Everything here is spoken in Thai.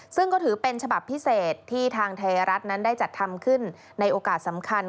ซึ่งก็ถือเป็นฉบับพิเศษที่ทางไทยรัฐนั้นได้จัดทำขึ้นในโอกาสสำคัญ